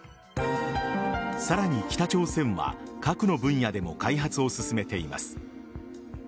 さらに北朝鮮は核の分野でも開発を進めています。